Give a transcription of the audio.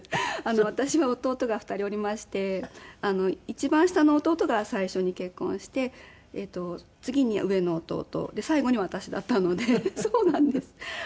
私は弟が２人おりまして一番下の弟が最初に結婚して次に上の弟最後に私だったのでそうなんです。